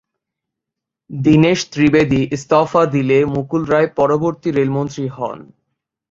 দীনেশ ত্রিবেদী ইস্তফা দিলে মুকুল রায় পরবর্তী রেলমন্ত্রী হন।